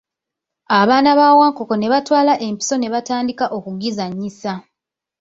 Abaana ba Wankoko ne batwala empiso ne batandika okugizannyisa.